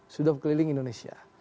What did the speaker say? sudah berkeliling indonesia